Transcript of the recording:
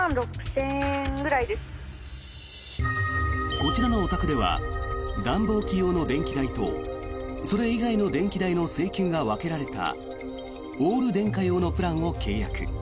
こちらのお宅では暖房機用の電気代とそれ以外の電気代の請求が分けられたオール電化用のプランを契約。